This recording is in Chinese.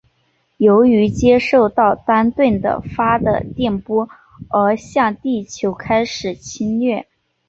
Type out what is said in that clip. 由于接受到丹顿的发的电波而向地球开始侵略。